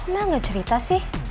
mel gak cerita sih